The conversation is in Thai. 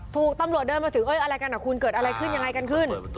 ถูกตำรวจเดินมาถึงเอ้ยอะไรกันคุณเกิดอะไรขึ้นยังไงกันขึ้น